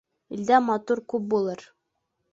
Илдә матур күп булыр